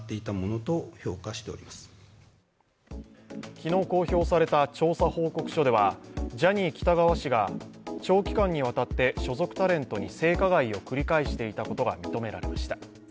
昨日、公表された調査報告書ではジャニー喜多川氏が長期間にわたって所属タレントに性加害を繰り返していたことが認められました。